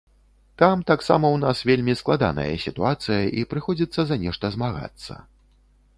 Там таксама ў нас вельмі складаная сітуацыя, і прыходзіцца за нешта змагацца.